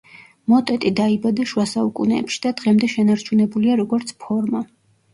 მოტეტი დაიბადა შუასაუკუნეებში და დღემდე შენარჩუნებულია როგორც ფორმა.